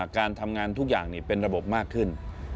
การทำงานทุกอย่างเป็นระบบมากขึ้น